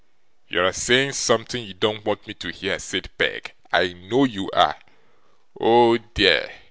'You're a saying something you don't want me to hear,' said Peg; 'I know you are.' 'Oh dear!